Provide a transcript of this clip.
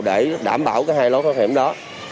để đảm bảo hai lối thoát hiểm đó